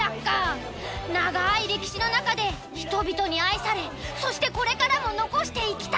長い歴史の中で人々に愛されそしてこれからも残していきたい